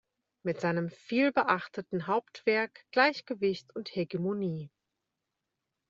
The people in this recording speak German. Mit seinem vielbeachteten Hauptwerk "„Gleichgewicht und Hegemonie.